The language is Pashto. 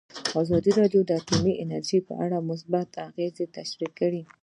ازادي راډیو د اټومي انرژي په اړه مثبت اغېزې تشریح کړي.